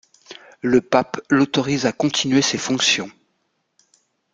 Le pape l'autorise à continuer ses fonctions.